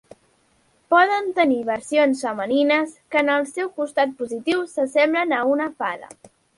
Poden tenir versions femenines, que en el seu costat positiu s'assemblen a una fada.